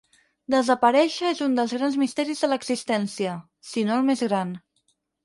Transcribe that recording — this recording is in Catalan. Desaparèixer és un dels grans misteris de l'existència, si no el més gran.